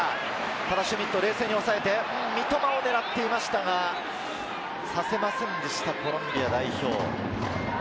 ただシュミット、冷静に抑えて三笘を狙っていましたが、させませんでしたコロンビア代表。